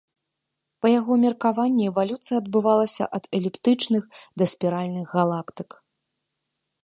Па яго меркаванні эвалюцыя адбывалася ад эліптычных да спіральных галактык.